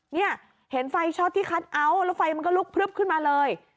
เนี่ยเห็นไฟช็อตที่คัทเอาท์แล้วไฟมันก็ลุกพลึบขึ้นมาเลย